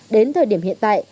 đến thời điểm hiện tại